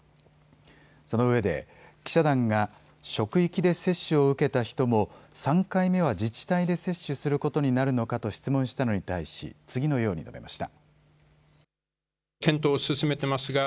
そのうえで記者団が職域で接種を受けた人も３回目は自治体で接種することになるのかと質問したのに対し、次のように述べました。